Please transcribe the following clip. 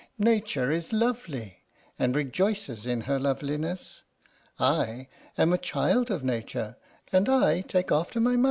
Nature is lovely and rejoices in her loveliness. I am a child of Nature, and I take after my mother."